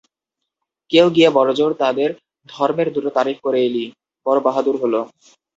কেউ গিয়ে বড়জোড় তাদের ধর্মের দুটো তারিফ করে এলি, বড় বাহাদুরী হল।